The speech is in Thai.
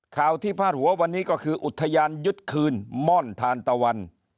ข่าวที่พาดหัววันนี้ก็คืออุทยานยึดคืนม่อนทานตะวัน